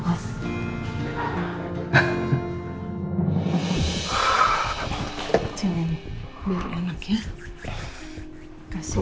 oh jangan biar enak ya